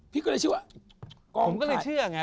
พี่ก็เลยเชื่อว่า